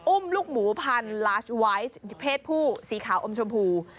อุ้มลูกหมูพันลาสไวท์เพศผู้สีขาวอมชมพู